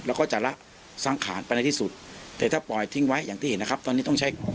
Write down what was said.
แล้วก็จะละสังขารไปในที่สุดแต่ถ้าปล่อยทิ้งไว้อย่างที่เห็นนะครับตอนนี้ต้องใช้